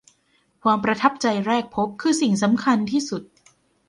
ความประทับใจแรกพบคือสิ่งสำคัญที่สุด